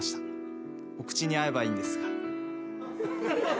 お口に合えばいいんですが。